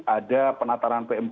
ada penataran p empat